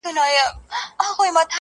څوک چي ستا يو دين د زړه په درزېدا ورکوي,